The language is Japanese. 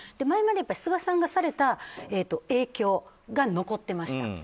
前まで菅さんがされた影響が残っていました。